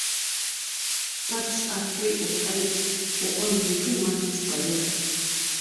Parts are free of ice for only two months per year.